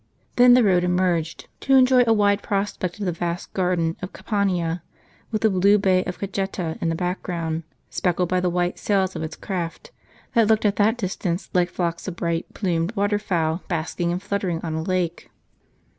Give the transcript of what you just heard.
Then the road emerged, to enjoy a wide ijrospect of the vast garden of Campania, with the blue bay of Cajeta in the background, sj)eckled by the white sails of its craft, that looked at that distance like flocks of bright plumed waterfowl, basking and fluttering on a lake.